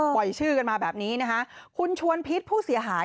ชื่อกันมาแบบนี้นะคะคุณชวนพิษผู้เสียหาย